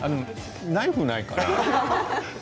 ナイフないかな？